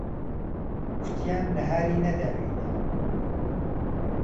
کوتیان نەهاری نەداوینێ